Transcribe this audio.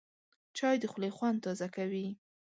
چای د خولې خوند تازه کوي